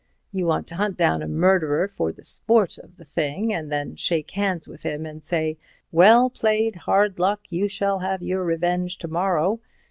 You want to hunt down a murderer for the sport of the thing and then shake hands with him and say, 'Well played—hard luck—you shall have your revenge to morrow!'